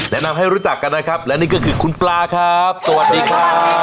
แนะนำให้รู้จักกันนะครับและนี่ก็คือคุณปลาครับสวัสดีครับ